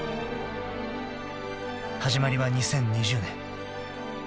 ［始まりは２０２０年］